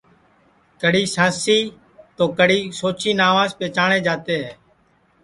کڑی سانسی تو کڑی سوچی ناوس پیچاٹؔے جاتے ہے